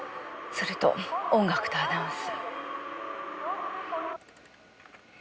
それと音楽とアナウンス。